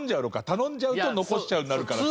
頼んじゃうと残しちゃうになるから。